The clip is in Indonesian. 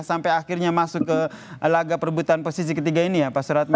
sampai akhirnya masuk ke laga perebutan posisi ketiga ini ya pak suratno